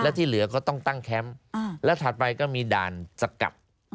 ที่เหลือก็ต้องตั้งแคมป์แล้วถัดไปก็มีด่านสกัด